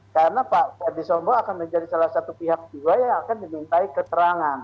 karena pak verdi sambo akan menjadi salah satu pihak juga yang akan dimintai keterangan